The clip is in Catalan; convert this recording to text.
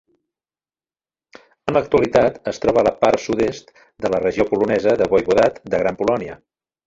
En l'actualitat es troba a la part sud-est de la regió polonesa de Voivodat de Gran Polònia.